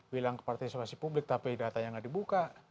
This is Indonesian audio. bilang ke partisipasi publik tapi datanya nggak dibuka